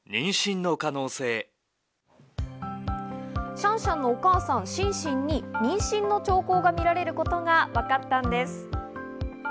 シャンシャンのお母さん・シンシンに妊娠の兆候が見られることが分かったんです。